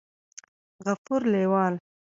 غفور لېوال